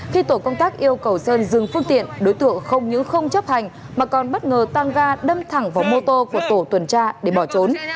khi tổ công tác yêu cầu sơn dừng phương tiện đối tượng không những không chấp hành mà còn bất ngờ tăng ga đâm thẳng vào mô tô của tổ tuần tra để bỏ trốn